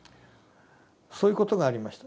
そういうことがありました。